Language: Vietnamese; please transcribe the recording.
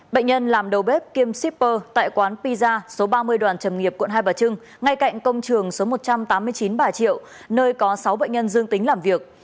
bệnh nhân làm đầu bếp kiêm shipper tại quán pizza số ba mươi đoàn trầm nghiệp quận hai bà trưng ngay cạnh công trường số một trăm tám mươi chín bà triệu nơi có sáu bệnh nhân dương tính làm việc